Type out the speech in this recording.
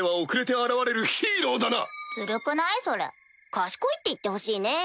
賢いって言ってほしいね。